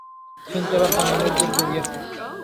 কিন্তু এবার পানি অনেক দূর গড়িয়েছে।